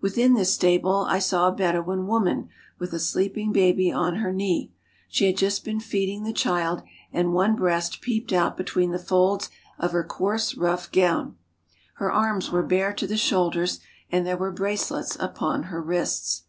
Within this stable I saw a Bedouin woman with a sleeping baby on her knee. She had just been feeding the child and one breast peeped out between the folds of her coarse, rough gown. Her arms were bare to the shoulders and there were bracelets upon her wrists.